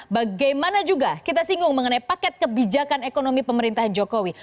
bagaimana juga kita singgung mengenai paket kebijakan ekonomi pemerintahan jokowi